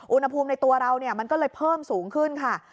อุณหภูมิในตัวเรามันก็เลยเพิ่มสูงขึ้นค่ะ